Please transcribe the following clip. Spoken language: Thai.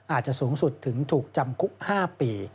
อาจจะสูงสุดถึงถูกจำคุก๕ปี